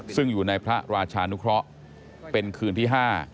ซึ่งอยู่ในพระราชานุเคราะห์เป็นคืนที่๕